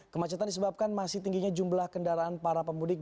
kemacetan disebabkan masih tingginya jumlah kendaraan para pemudik